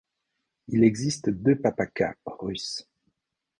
Il existe deux papakhas russes.